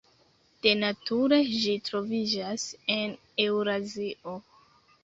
De nature ĝi troviĝas en Eŭrazio.